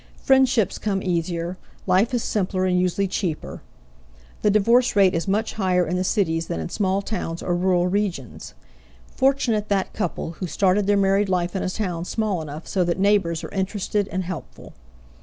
Friendships come easier, life is simpler and usually cheaper. The divorce rate is much higher in the cities than in small towns or rural regions. Fortunate that couple who start their married life in a town small enough so that neighbors are interested and helpful.